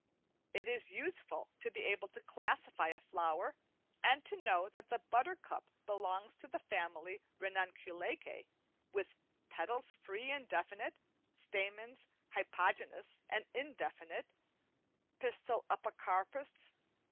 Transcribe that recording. It is useful to be able to classify a flower and to know that the buttercup belongs to the Family Ranunculaceae, with petals free and definite, stamens hypogynous and indefinite, pistil apocarpous.